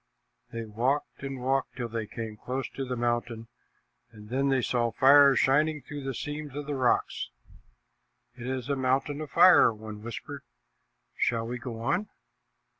They walked and walked till they came close to the mountain, and then they saw fire shining through the seams of the rocks. "It is a mountain of fire," one whispered. "Shall we go on?"